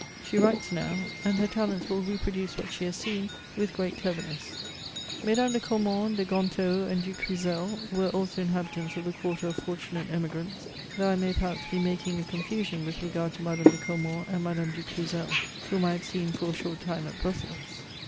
She writes now, and her talents will reproduce what she has seen with great cleverness. Mesdames de Camnont, de Gontaut, and du Cluzel, were also inhabitants of the quarter of fortunate emigrants ; tiiough I may perhaps be making a confusion with regard to Madame de Caumont and Madame du Cluzel, whom I had seen for a short time at Brussels.